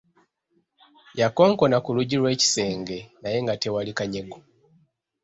Yakonkona ku luggi lw'ekisenge naye nga tewali kanyego.